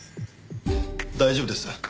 大丈夫です。